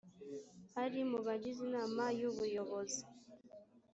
ari mu bagize inama y’ubuyobozi